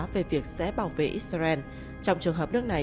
về việc sẽ bảo vệ israel trong trường hợp nước này